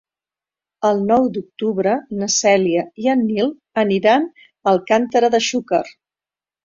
El nou d'octubre na Cèlia i en Nil aniran a Alcàntera de Xúquer.